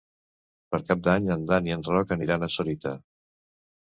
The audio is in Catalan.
Per Cap d'Any en Dan i en Roc aniran a Sorita.